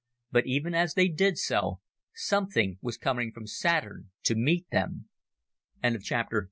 But even as they did so, something was coming from Saturn to meet them. Chapter 14.